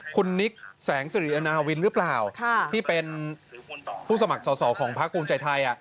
คุณนิกแสงสิริอนาวินหรือเปล่าที่เป็นผู้สมัครสอสอของพักภูมิใจไทย